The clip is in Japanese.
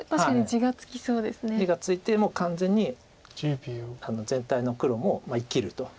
地がついてもう完全に全体の黒も生きると。